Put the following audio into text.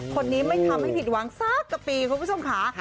คนนี้ไม่ทำให้ผิดหวังสักกับปีคุณผู้ชมค่ะ